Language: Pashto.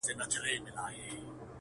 معرفت ته یې حاجت نه وینم چاته,